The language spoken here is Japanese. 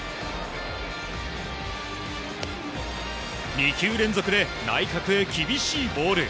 ２球連続で内角へ厳しいボール。